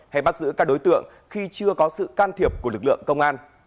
hay bắt giữ các đối tượng khi chưa có sự can thiệp của lực lượng công an